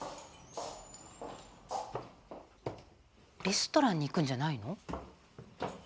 レストランに行くんじゃないの？